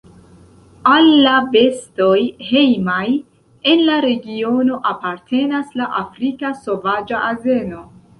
Al la bestoj hejmaj en la regiono apartenas la Afrika sovaĝa azeno.